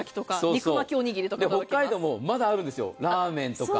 北海道もまだあるんですよ、ラーメンとか。